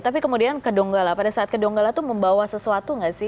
tapi kemudian ke donggala pada saat ke donggala itu membawa sesuatu nggak sih